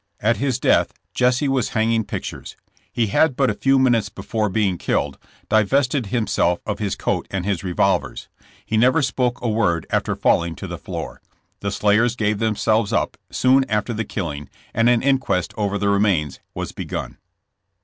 At his death, Jesse was hanging pictures. He had but a few minutes be fore being killed, divested himself of his coat and his revolvers. He never spoke a word after falling to the floor. The slayers gave themselves up soon after the killing, and an inquest over the remains was begun.